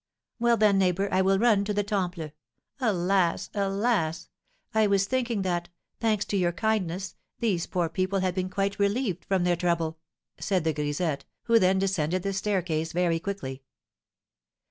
"Well, then, neighbour, I will run to the Temple. Alas, alas! I was thinking that, thanks to your kindness, these poor people had been quite relieved from their trouble!" said the grisette, who then descended the staircase very quickly.